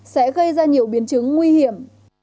sẽ gây ra nhiều biến chứng nguy hiểm